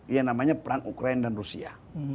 yang namanya perang ukraina dan rusia